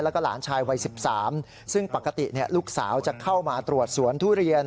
แล้วก็หลานชายวัย๑๓ซึ่งปกติลูกสาวจะเข้ามาตรวจสวนทุเรียน